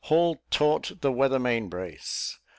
haul taut the weather main brace."